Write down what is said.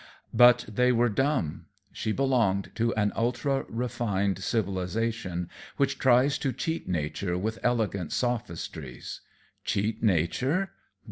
But they were dumb. She belonged to an ultra refined civilization which tries to cheat nature with elegant sophistries. Cheat nature?